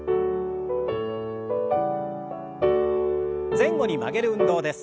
前後に曲げる運動です。